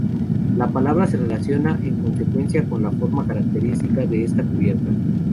La palabra se relaciona en consecuencia con la forma característica de esta cubierta.